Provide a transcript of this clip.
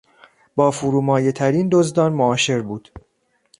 با فرومایهترین دزدان معاشر بود.